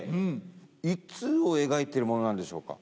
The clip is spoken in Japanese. いつを描いてるものなんでしょうか。